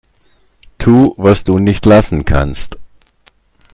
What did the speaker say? Tu, was du nicht lassen kannst.